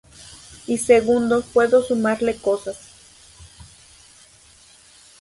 Y segundo, puedo sumarle cosas.